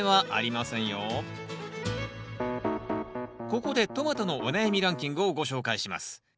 ここでトマトのお悩みランキングをご紹介します。